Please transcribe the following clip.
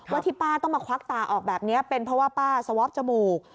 ที่ป้าต้องมาควักตาออกแบบนี้เป็นเพราะว่าป้าสวอปจมูก